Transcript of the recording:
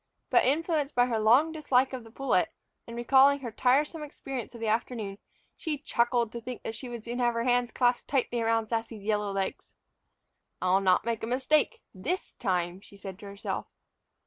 But, influenced by her long dislike of the pullet, and recalling her tiresome experience of the afternoon, she chuckled to think that she would soon have her hands clasped tightly about Sassy's yellow legs. "I'll not make a mistake this time," she said to herself.